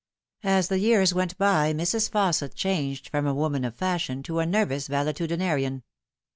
As the years went by Mrs. Fausset changed from a woman of fashion to a nervous valetudinarian.